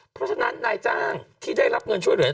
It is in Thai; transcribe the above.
เพราะฉะนั้นนายจ้างที่ได้รับเงินช่วยเหลือ